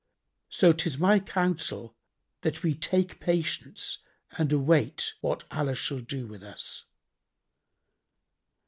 So 'tis my counsel that we take patience and await what Allah shall do with us.